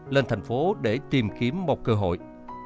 lên thành phố để tìm kiếm một cơ hội